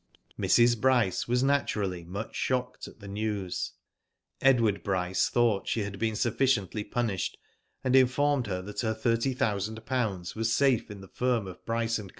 Mrs. Bryce was naturally, much shocked at the news. Edward Bryce thought she had been sufficiently punished, and informed her that her thirty thou sand pounds was safe in the firm of Bryce and Co.